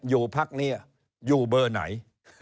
อยู่พักนี้อยู่เบอร์ไหน